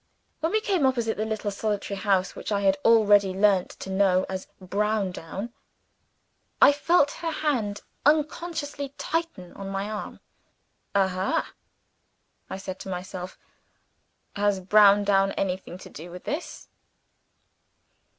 When we came opposite the little solitary house, which I had already learnt to know as "Browndown," I felt her hand unconsciously tighten on my arm. "Aha!" I said to myself. "Has Browndown anything to do with this?"